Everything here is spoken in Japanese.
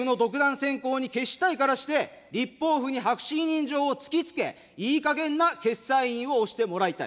専行に決したいからにして、立法府に白紙委任状を突きつけ、いいかげんな決裁印を押してもらいたい。